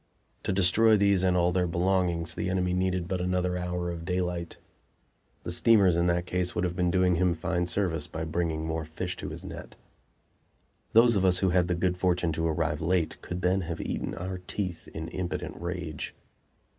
To destroy these and all their belongings the enemy needed but another hour of daylight; the steamers in that case would have been doing him fine service by bringing more fish to his net. Those of us who had the good fortune to arrive late could then have eaten our teeth in impotent rage.